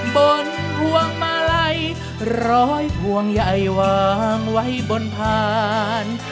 พวงมาลัยร้อยพวงใหญ่วางไว้บนพาน